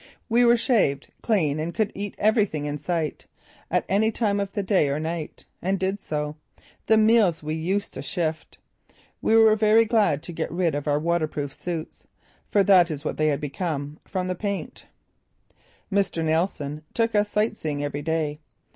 We were shaved, clean and could eat everything in sight, at any time of the day or night. And did so. The meals we used to shift! We were very glad to get rid of our waterproof suits for that is what they had become, from the paint. Mr. Neilson took us sight seeing every day.